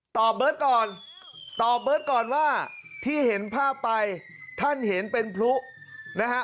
เบิร์ตก่อนตอบเบิร์ตก่อนว่าที่เห็นภาพไปท่านเห็นเป็นพลุนะฮะ